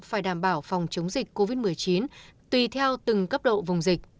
phải đảm bảo phòng chống dịch covid một mươi chín tùy theo từng cấp độ vùng dịch